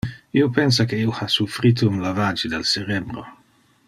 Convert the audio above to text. Io pensa que io ha suffrite un lavage del cerebro.